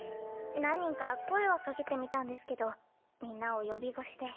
何人か声はかけてみたんですけどみんな及び腰で。